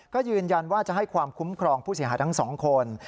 ก็ยืนยันว่าจะให้ความคุ้มครองผู้เสียหายทั้งสองคน